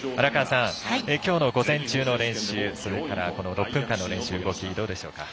きょうの午前中の練習それから６分間の練習の動きどうでしょうか？